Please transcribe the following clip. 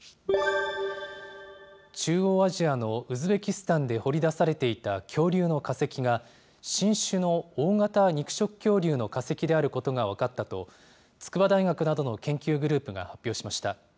中央アジアのウズベキスタンで掘り出されていた恐竜の化石が、新種の大型肉食恐竜の化石であることが分かったと、筑波大学などの研究グループが発表しました。